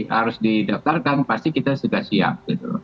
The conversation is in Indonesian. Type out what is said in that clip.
harus didaftarkan pasti kita sudah siap